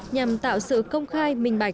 nhằm tạo sự công khai minh bạch